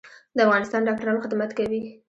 د افغانستان ډاکټران خدمت کوي